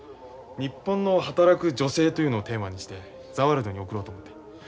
日本の働く女性というのをテーマにして「ザ・ワールド」に送ろうと思って。